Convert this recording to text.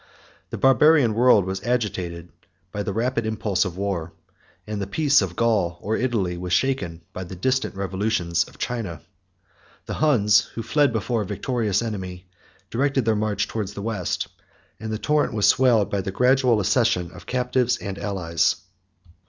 The Barbarian world was agitated by the rapid impulse of war; and the peace of Gaul or Italy was shaken by the distant revolutions of China. The Huns, who fled before a victorious enemy, directed their march towards the West; and the torrent was swelled by the gradual accession of captives and allies.